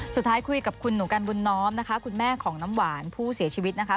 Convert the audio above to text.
คุยกับคุณหนูกันบุญน้อมนะคะคุณแม่ของน้ำหวานผู้เสียชีวิตนะคะ